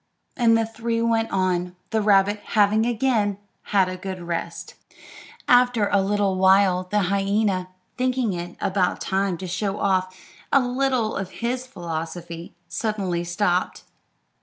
and the three went on, the rabbit having again had a good rest. After a little while the hyena, thinking it about time to show off a little of his philosophy, suddenly stopped.